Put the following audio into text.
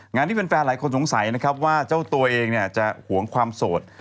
งานที่แฟนหลายคนสงสัยนะครับว่าเจ้าตัวเองจะหวงความโสด